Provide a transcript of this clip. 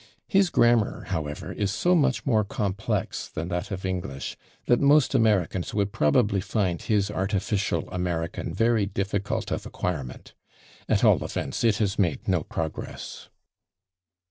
His grammar, however, is so much more complex than that of English that most Americans would probably find his artificial "American" very difficult of acquirement. At all events it has made no progress.